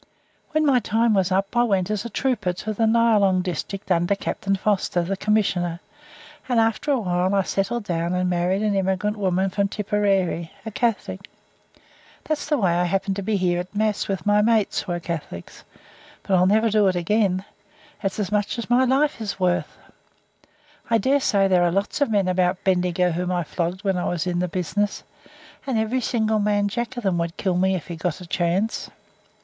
When my time was up I went as a trooper to the Nyalong district under Captain Foster, the Commissioner, and after a while I settled down and married an immigrant woman from Tipperary, a Catholic. That's the way I happened to be here at Mass with my mates, who are Catholics; but I'll never do it again; it's as much as my life is worth. I daresay there are lots of men about Bendigo whom I flogged while I was in the business, and every single man jack of them would kill me if he got the chance.